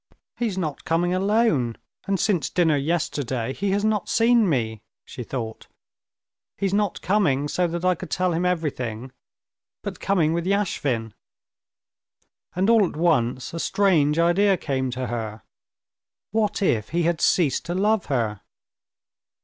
"He's not coming alone, and since dinner yesterday he has not seen me," she thought; "he's not coming so that I could tell him everything, but coming with Yashvin." And all at once a strange idea came to her: what if he had ceased to love her?